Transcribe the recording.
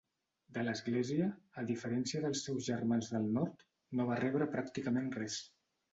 De l'Església, a diferència dels seus germans del nord, no va rebre pràcticament res.